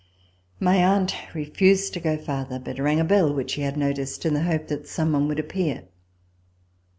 My aunt refused to go farther, but rang a bell, which she had noticed, in the hope that some one would appear.